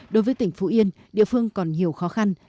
đối với tỉnh phú yên địa phương còn nhiều khó khăn